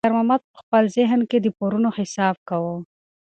خیر محمد په خپل ذهن کې د پورونو حساب کاوه.